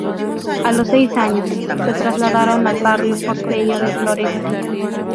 A los seis años, se trasladaron al barrio porteño de Floresta.